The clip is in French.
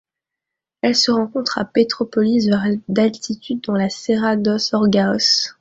Elle se rencontre à Petrópolis vers d'altitude dans la Serra dos Órgãos.